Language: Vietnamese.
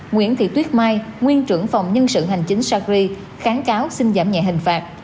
nguyễn thị tuyết mai nguyên trưởng phòng nhân sự hành chính sagri kháng cáo xin giảm nhẹ hình phạt